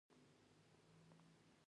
د هیلې اواز د دوی زړونه ارامه او خوښ کړل.